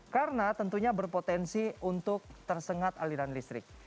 karena tentunya berpotensi untuk tersengat aliran listrik